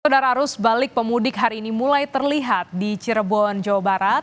saudara arus balik pemudik hari ini mulai terlihat di cirebon jawa barat